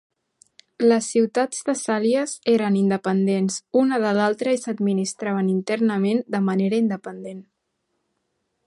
Les ciutats tessàlies eren independents una de l'altra i s'administraven internament de manera independent.